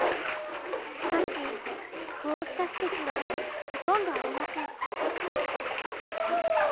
しかしこうした施設はほとんどありません。